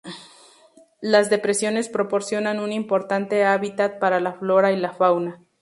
Las depresiones proporcionan un importante hábitat para la flora y fauna.